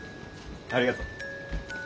ありがとう。